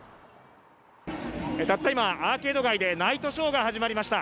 たった今、アーケード街でナイトショーが始まりました。